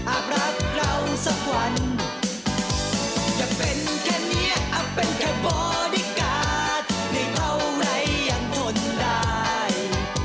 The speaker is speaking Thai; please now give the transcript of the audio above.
อับเป็นแค่บอดิการ์ดได้เท่าไรยังทนได้